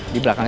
di belakang ya